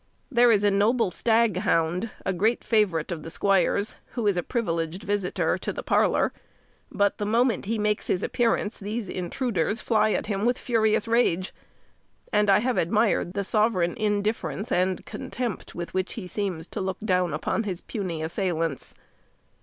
There is a noble staghound, a great favourite of the squire's, who is a privileged visitor to the parlour; but the moment he makes his appearance, these intruders fly at him with furious rage; and I have admired the sovereign indifference and contempt with which he seems to look down upon his puny assailants.